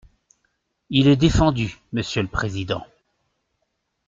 Il est défendu, monsieur le président.